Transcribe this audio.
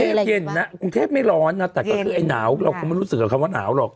ก็หรือไม่ร้อนแต่ความเหนียวล